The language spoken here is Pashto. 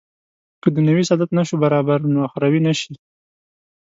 که دنیوي سعادت نه شو برابر نو اخروي نه شي.